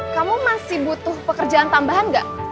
kamu masih butuh pekerjaan tambahan nggak